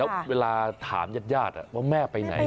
แล้วเวลาถามญาติว่าแม่ไปไหน